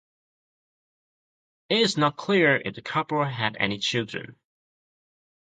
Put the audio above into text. It is not clear if the couple had any children.